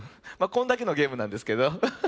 まあこんだけのゲームなんですけど。